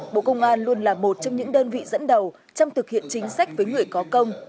bộ công an luôn là một trong những đơn vị dẫn đầu trong thực hiện chính sách với người có công